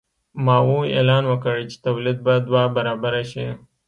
ماوو اعلان وکړ چې تولید به دوه برابره شي.